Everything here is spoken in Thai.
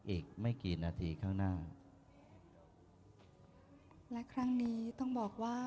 อีกไม่กี่นาทีข้างหน้าและครั้งนี้ต้องบอกว่า